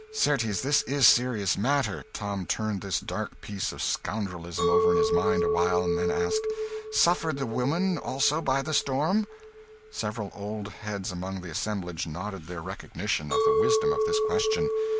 "Certes this is a serious matter." Tom turned this dark piece of scoundrelism over in his mind a while, then asked "Suffered the woman also by the storm?" Several old heads among the assemblage nodded their recognition of the wisdom of this question.